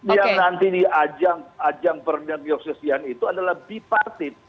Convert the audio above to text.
yang nanti diajang ajang pernegosiasian itu adalah bipartisan